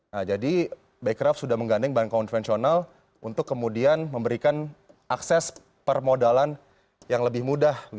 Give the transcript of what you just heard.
nah jadi bekraf sudah menggandeng bahan konvensional untuk kemudian memberikan akses permodalan yang lebih mudah